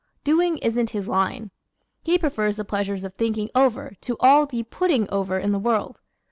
Doing isn't his line. He prefers the pleasures of "thinking over" to all the "putting over" in the world.